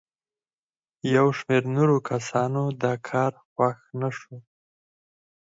یو شمېر نورو کسانو دا کار خوښ نه شو.